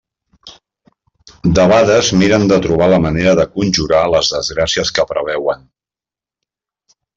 Debades miren de trobar la manera de conjurar les desgràcies que preveuen.